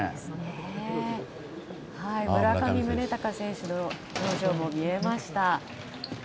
村上宗隆選手の表情も見えました。